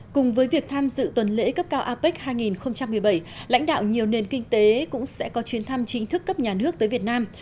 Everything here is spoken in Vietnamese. cùng với việc tham dự tuần lễ cấp cao apec hai nghìn một mươi bảy lãnh đạo nhiều nền kinh tế cũng sẽ có chuyến thăm chính thức cấp nhà nước tới việt nam